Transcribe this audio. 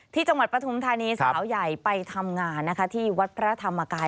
ที่จังหวัดปฐุรมทานีสาวใหญ่ไปทำงานนะคะที่วัดพระธรรมกาย